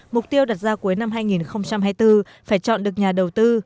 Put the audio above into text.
mục tiêu đặt ra cuối năm hai nghìn hai mươi bốn phải chọn được nhà đầu tư